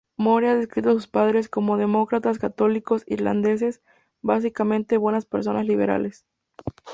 Moore ha descrito a sus padres como "demócratas católicos irlandeses, básicamente buenas personas liberales.